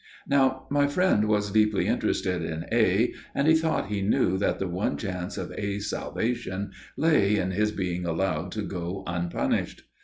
Now my friend was deeply interested in A., and he thought he knew that the one chance of A.'s salvation lay in his being allowed to go unpunished.